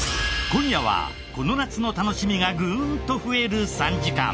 今夜はこの夏の楽しみがぐーんと増える３時間！